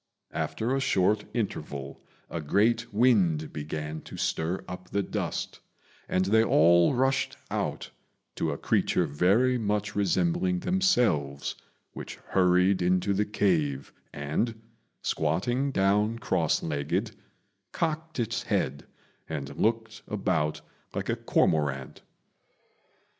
After a short interval a great wind began to stir up the dust, and they all rushed out to a creature very much resembling themselves, which hurried into the cave, and, squatting down cross legged, cocked its head and looked about like a cormorant.